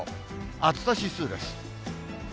暑さ指数です。